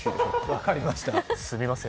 分かりました。